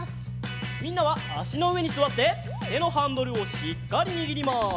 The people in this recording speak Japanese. みんなはあしのうえにすわっててのハンドルをしっかりにぎります。